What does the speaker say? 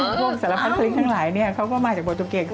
ทุกเสร็จภาพฤกษ์ทั้งหลายเนี่ยเขาก็มาจากบรรทุเกต